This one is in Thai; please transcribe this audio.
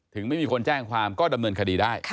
ไม่มีคนแจ้งความก็ดำเนินคดีได้